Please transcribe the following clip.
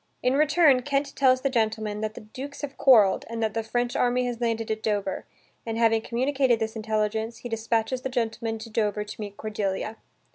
In return Kent tells the gentleman that the dukes have quarrelled, and that the French army has landed at Dover, and, having communicated this intelligence, he dispatches the gentleman to Dover to meet Cordelia.